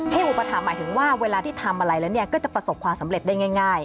อุปถัมหมายถึงว่าเวลาที่ทำอะไรแล้วเนี่ยก็จะประสบความสำเร็จได้ง่าย